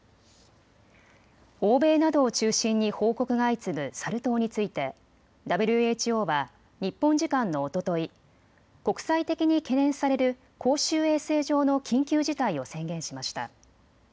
欧米などを中心に報告が相次ぐサル痘についてＷＨＯは日本時間のおととい、国際的に懸念される公衆衛生上の緊急事態を宣言しました。